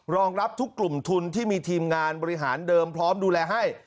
รองรับทุกกลุ่มทุนที่มีทีมงานบริหารเดิมพร้อมดูแลให้